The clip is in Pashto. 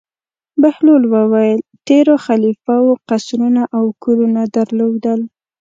بهلول وویل: تېرو خلیفه وو قصرونه او کورونه درلودل.